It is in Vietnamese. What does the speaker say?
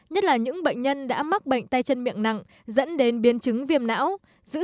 nhất là những bệnh nhân đã mắc bệnh tay chân miệng nặng dẫn đến biến chứng viêm não giữ